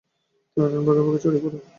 Platoon, ভাগে ভাগে ছড়িয়ে পড়ো!